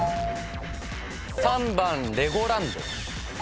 ３番レゴランド。